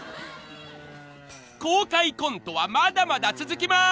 ［公開コントはまだまだ続きまーす！］